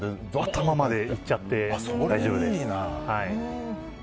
頭までいっちゃって大丈夫です。